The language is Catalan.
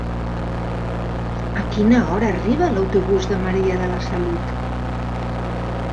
A quina hora arriba l'autobús de Maria de la Salut?